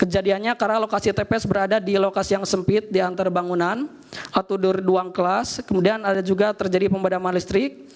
kejadiannya karena lokasi tps berada di lokasi yang sempit di antar bangunan atau duri duang kelas kemudian ada juga terjadi pemadaman listrik